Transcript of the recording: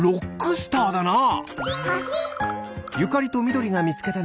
スターだなあ！